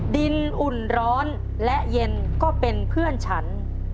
ดินอุ่นร้อนและเย็นก็เป็นเพื่อนฉัน